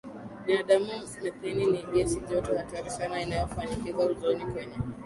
binadamu Metheni ni gesi joto hatari sana inayofanyiza ozoni kwenye